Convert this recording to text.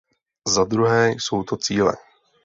Za druhé jsou to cíle.